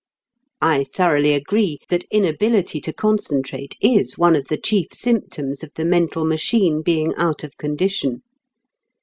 I thoroughly agree that inability to concentrate is one of the chief symptoms of the mental machine being out of condition.